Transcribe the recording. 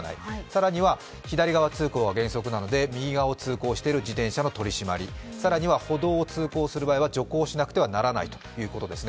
更には左側通行が原則なので右側を通行している自転車の取り締まり、更には歩道を通行する場合は徐行しなければならないということです。